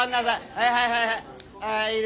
はいはいはいはい。